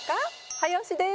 早押しです。